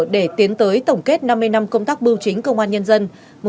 để tiến tới tổng kết năm mươi năm công tác bưu chính công an nhân dân